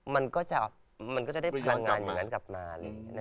มันก็จะได้พลังงานอย่างนั้นกลับมา